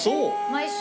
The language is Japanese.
・毎週？